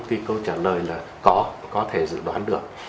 tuy câu trả lời là có có thể dự đoán được